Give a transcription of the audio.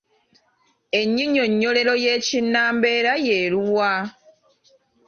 Ennyinyonnyolero y’ekinnambeera y’eluwa?